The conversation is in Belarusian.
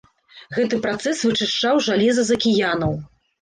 Гэты працэс вычышчаў жалеза з акіянаў.